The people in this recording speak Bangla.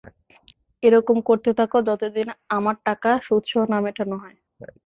এরকম করতে থাকো, যতদিন আমার টাকা সুদসহ না মেটানো হয়।